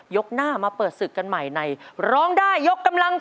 ยกหน้ามาเฝ้อสิกกันใหม่ในร้องได้ยกกำลังซ่า